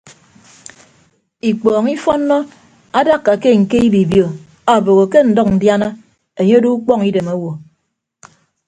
Ikpọọñ ifọnnọ adakka ke ñke ibibio obogho ke ndʌñ ndiana enye odo ukpọñ idem owo.